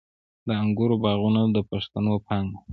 د انګورو باغونه د پښتنو پانګه ده.